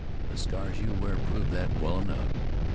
The scars you wear prove that well enough.